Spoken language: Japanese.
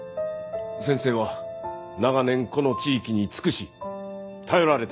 先生は長年この地域に尽くし頼られてきた。